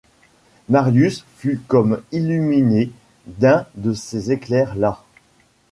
Marius fut comme illuminé d’un de ces éclairs-là.